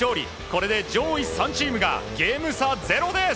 これで上位３チームがゲーム差０です。